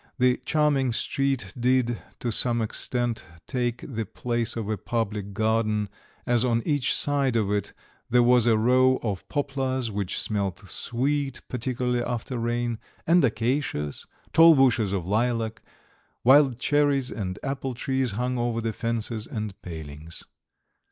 This charming street did to some extent take the place of a public garden, as on each side of it there was a row of poplars which smelt sweet, particularly after rain, and acacias, tall bushes of lilac, wild cherries and apple trees hung over the fences and palings.